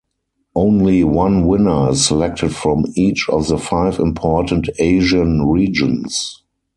Only one winner is selected from each of the five important Asian regions.